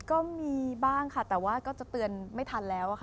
ก็มีบ้างค่ะแต่ว่าก็จะเตือนไม่ทันแล้วค่ะ